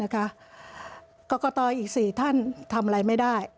กรกตอีก๔ท่านทำอะไรไม่ได้